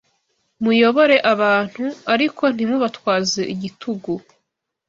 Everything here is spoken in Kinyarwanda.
Muyobore abantu, ariko ntimubatwaze igitugu